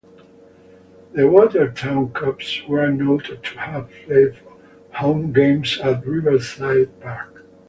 The Watertown Cubs were noted to have played home games at Riverside Park.